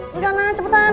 di sana cepetan